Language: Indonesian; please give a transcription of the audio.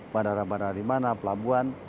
madara madara di mana pelabuhan